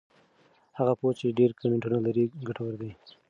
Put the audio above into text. هغه پوسټ چې ډېر کمنټونه لري ګټور دی.